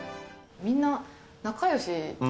みんな仲よし。